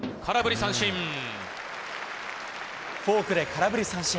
空振り三振。